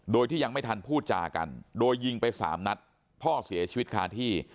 โดยที่ยังไม่ทันพูดจากันโดยยิงไปสามนัดพ่อเสียชีวิตคาที่